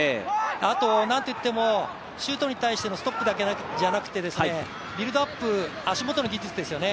あと、なんといってもシュートに対してのストックだけじゃなくてビルドアップ、足元の技術ですよね